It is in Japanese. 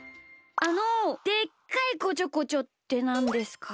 あの「でっかいこちょこちょ」ってなんですか？